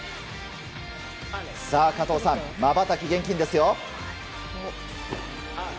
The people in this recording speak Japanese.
加藤さん、まばたき厳禁ですよ。